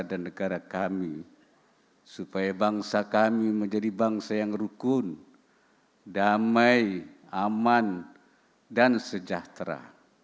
dan negara kami supaya bangsa kami menjadi bangsa yang rukun damai aman dan sejahtera